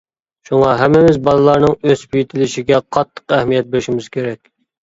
شۇڭا ھەممىمىز بالىلارنىڭ ئۆسۈپ يېتىلىشىگە قاتتىق ئەھمىيەت بېرىشىمىز كېرەك.